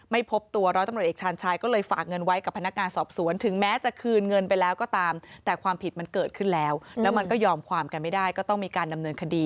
ไม่พบตัวร้อยตำรวจเอกชาญชายก็เลยฝากเงินไว้กับพนักการสอบสวนถึงแม้จะคืนเงินไปแล้วก็ตาม